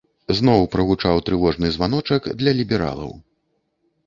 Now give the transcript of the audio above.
Зноў прагучаў трывожны званочак для лібералаў.